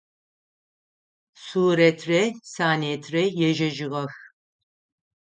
Сурэтрэ Санетрэ ежьэжьыгъэх.